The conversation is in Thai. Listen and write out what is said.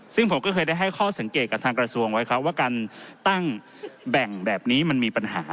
ซึ่งผมก็เคยได้ให้ข้อสังเกตกับทางกระทรวงไว้ครับว่าการตั้งแบ่งแบบนี้มันมีปัญหา